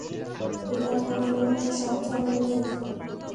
এটা থামানোর মতো সাধ্য আমার নেই।